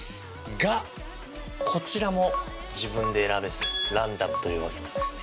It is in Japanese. がこちらも自分で選べずランダムというわけなんですね。